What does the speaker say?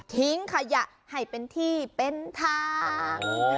ทิ้งขยะให้เป็นที่เป็นทาง